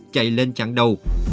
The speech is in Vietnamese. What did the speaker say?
chạy lên chặn đầu